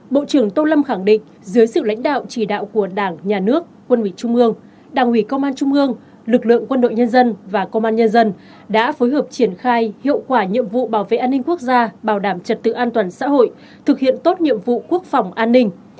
bộ trưởng tô lâm khẳng định dưới sự lãnh đạo chỉ đạo của đảng nhà nước quân ủy trung ương đảng ủy công an trung ương lực lượng quân đội nhân dân và công an nhân dân đã phối hợp triển khai hiệu quả nhiệm vụ bảo vệ an ninh quốc gia bảo đảm trật tự an toàn xã hội thực hiện tốt nhiệm vụ quốc phòng an ninh